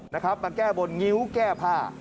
มาแก้บนงิ้วแก้ผ้า